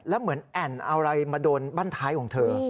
แล้วเหมือนแอ่นเอาอะไรมาโดนบ้านท้ายของเธอ